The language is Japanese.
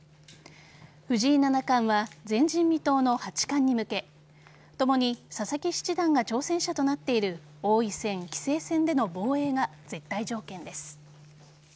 藤井七冠は前人未到の八冠に向け共に、佐々木七段が挑戦者となっている王位戦・棋聖戦での防衛が絶対条件です。